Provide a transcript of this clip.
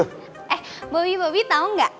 eh bobby bobby tau gak